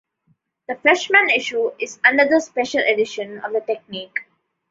The Freshman Issue is another special edition of the "Technique".